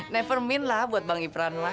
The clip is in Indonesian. never mind lah buat bang ibran lah